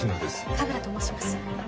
神楽と申します。